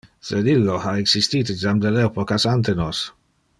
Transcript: Sed illo ha existite jam del epochas ante nos.